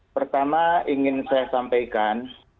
pertama ingin saya sampaikan